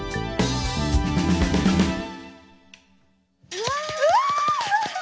うわ！